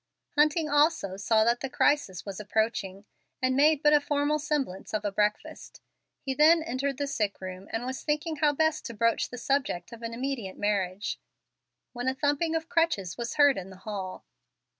Hunting also saw that the crisis was approaching, and made but a formal semblance of a breakfast. He then entered the sick room, and was thinking how best to broach the subject of an immediate marriage, when a thumping of crutches was heard in the hall.